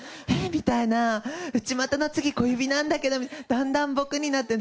みたいな、内またの次、小指なんだけど、だんだん僕になってる。